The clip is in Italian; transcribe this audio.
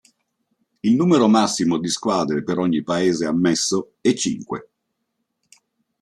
Il numero massimo di squadre per ogni paese ammesso è cinque.